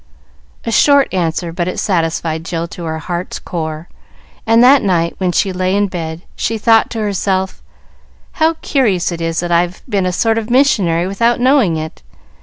A short answer, but it satisfied Jill to her heart's core, and that night, when she lay in bed, she thought to herself: "How curious it is that I've been a sort of missionary without knowing it!